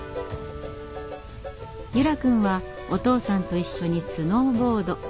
柚楽くんはお父さんと一緒にスノーボード。